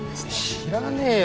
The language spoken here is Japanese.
知らねえよ